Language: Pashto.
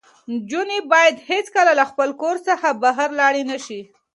نجونې باید هېڅکله له خپل کور څخه بهر لاړې نه شي.